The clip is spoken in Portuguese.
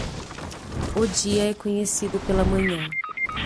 O dia é conhecido pela manhã.